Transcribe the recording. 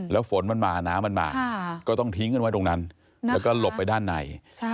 แล้วฝนมันมาน้ำมันมาก็ต้องทิ้งกันไว้ตรงนั้นแล้วก็หลบไปด้านใน